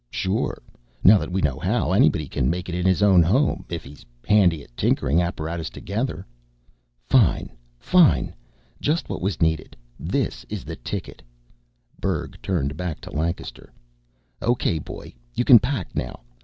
"Sure. Now that we know how, anybody can make it in his own home if he's handy at tinkering apparatus together." "Fine, fine! Just what was needed. This is the ticket." Berg turned back to Lancaster. "Okay, boy, you can pack now.